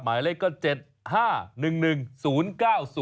หมายเลขก็๗๕๑๑๐๙๐